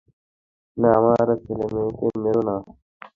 না আমার ছেলে মেয়েকে মেরোনা।